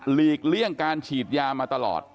ลีกเลี่ยงการฉีดยามาตลอด